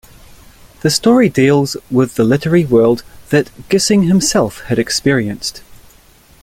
The story deals with the literary world that Gissing himself had experienced.